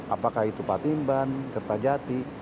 apakah itu patimban kertajati